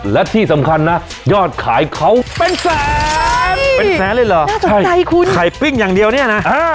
และที่สำคัญนะยอดขายเขาเป็นแสนเป็นแสนเลยเหรอน่าสนใจคุณไข่ปิ้งอย่างเดียวเนี่ยนะ